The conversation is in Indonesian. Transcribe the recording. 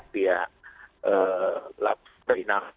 dia laku terinam